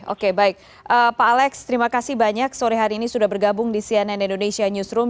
oke baik pak alex terima kasih banyak sore hari ini sudah bergabung di cnn indonesia newsroom